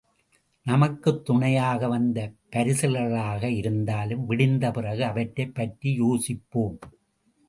நமக்குத் துணையாக வந்த பரிசல்களாக இருந்தாலும் விடிந்த பிறகு அவற்றைப் பற்றி யோசிப்போம்.